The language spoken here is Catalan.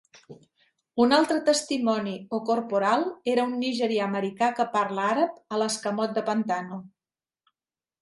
Un altre testimoni, "'O' Corporal", era un nigerià-americà de parla àrab a l'escamot de Pantano.